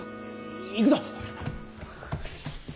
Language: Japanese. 行くぞッ！